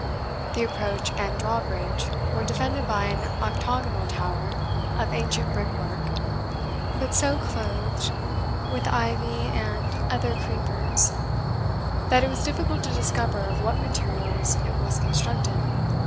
The approach and drawbridge were defended by an octagonal tower, of ancient brickwork, but so clothed with ivy and other creepers that it was difficult to discover of what materials it was constructed.